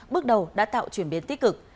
bước đầu đã tạo chuyển biến tích cực